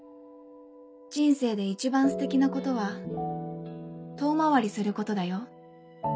人生で一番ステキなことは遠回りすることだよ。